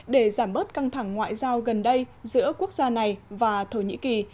để giảm bớt căng thẳng ngoại giao gần đây giữa quốc gia này và thổ nhĩ kỳ